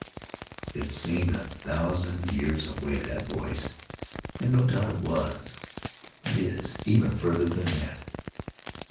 It seemed a thousand years away, that voice; and no doubt it was, and is, even farther than that.